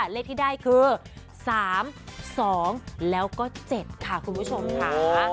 เลขที่ได้คือ๓๒๗ค่ะคุณผู้ชมค่ะ